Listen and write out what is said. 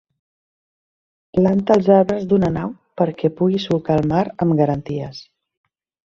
Planta els arbres d'una nau perquè pugui solcar el mar amb garanties.